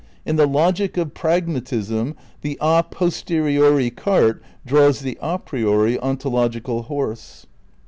In the logic of pragmatism the a posteriori cart draws the a priori ontological horse.